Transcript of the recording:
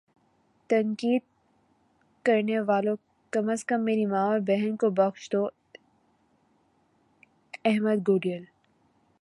تنقید کرنے والو کم از کم میری ماں اور بہن کو بخش دو احمد گوڈیل